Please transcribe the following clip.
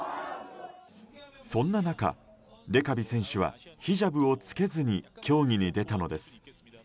そんな中、レカビ選手はヒジャブを着けずに競技に出たのです。